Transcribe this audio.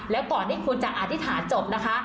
แล้วก่อนที่คุณจะอธิษฐานจบนะคะ